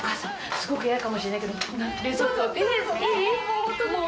すごく嫌かもしれないけど冷蔵庫いい？